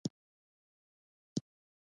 د پښتو د معیاري کولو لپاره قوي هڅې نه دي شوي.